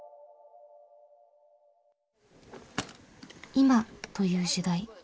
「今」という時代。